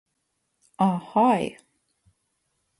A haj